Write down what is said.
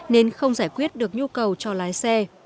nên không giải quyết được nhu cầu cho lái xe